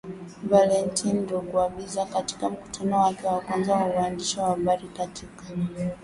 Valentine Rugwabiza katika mkutano wake wa kwanza na waandishi wa habari katika